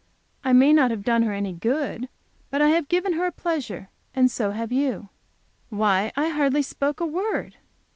I may not have done her any good; but I have given her a pleasure, and so have you." "Why, I hardly spoke a word."